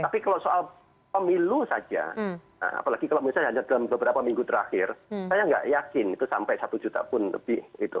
tapi kalau soal pemilu saja apalagi kalau misalnya hanya dalam beberapa minggu terakhir saya nggak yakin itu sampai satu juta pun lebih